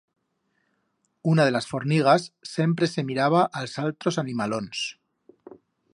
Una de las fornigas sempre se miraba a'ls altros animalons.